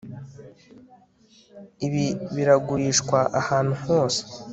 Ibi biragurishwa ahantu hose